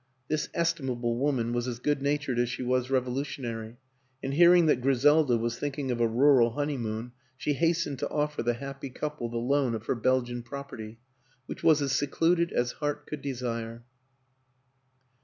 This estimable woman was as good natured as she was revolutionary, and hearing that Griselda was thinking of a rural honeymoon, she hastened to offer the happy couple the loan of her Belgian property, which was as secluded as heart could desire.